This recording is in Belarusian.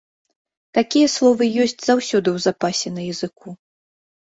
Такія словы ёсць заўсёды ў запасе на языку.